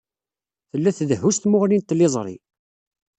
Tella tdehhu s tmuɣli n tliẓri.